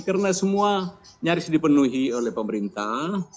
karena semua nyaris dipenuhi oleh pemerintah